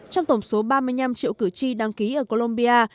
trong tổng số ba mươi năm triệu cử tri đăng ký ở colombia